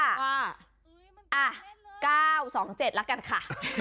อ่ะ๙๒๗ละกันค่ะ